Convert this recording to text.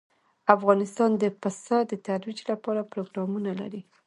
افغانستان د پسه د ترویج لپاره پروګرامونه لري.